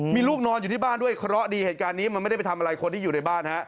มีลูกนอนอยู่ที่บ้านด้วยเคราะห์ดีเหตุการณ์นี้มันไม่ได้ไปทำอะไรคนที่อยู่ในบ้านฮะ